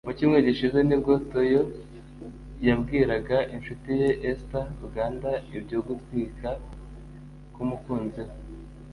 Mu cyumweru gishize nibwo Tayo yabwiraga inshuti ye Esther(Uganda) ibyo gutwita k’umukunzi we